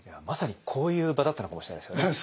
まさにこういう場だったのかもしれないですよね。